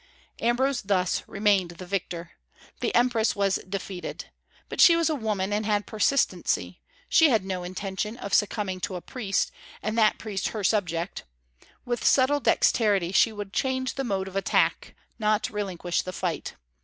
Ambrose thus remained the victor. The empress was defeated. But she was a woman, and had persistency; she had no intention of succumbing to a priest, and that priest her subject. With subtle dexterity she would change the mode of attack, not relinquish the fight.